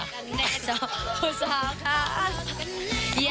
พุศาค่า